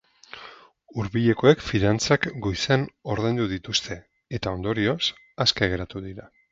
Hurbilekoek fidantzak goizean ordaindu dituzte, eta ondorioz, aske geratu dira.